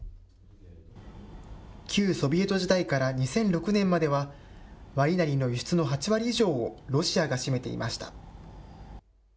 旧ソビエト時代から２００６年までは、ワイナリーの輸出の８割以上をロシアが占めていました。